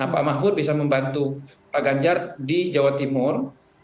pak mahfud bisa membantu pak ganjar di jawa timur